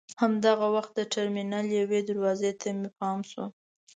همدغه وخت د ټرمینل یوې دروازې ته مې پام شو.